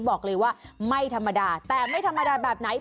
บอกเลยว่าไม่ธรรมดาแต่ไม่ธรรมดาแบบไหน